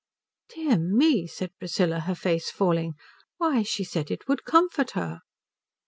"Dear me," said Priscilla, her face falling. "Why, she said it would comfort her."